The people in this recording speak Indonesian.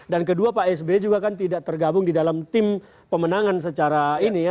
dan kedua pak sby juga kan tidak tergabung di dalam tim pemenangan secara ini ya